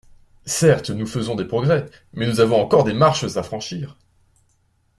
Certes nous faisons des progrès, mais nous avons encore des marches à franchir.